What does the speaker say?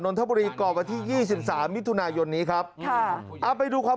นทบุรีก่อวันที่ยี่สิบสามมิถุนายนนี้ครับค่ะเอาไปดูความ